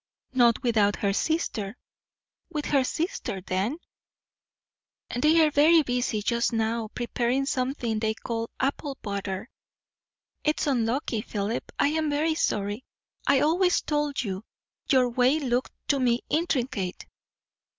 "Not without her sister." "With her sister, then." "They are very busy just now preparing some thing they call 'apple butter.' It's unlucky, Philip. I am very sorry. I always told you your way looked to me intricate."